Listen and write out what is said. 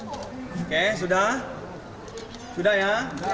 oke sudah sudah ya